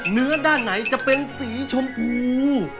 เนื้อด้านไหนจะเป็นสีชมพู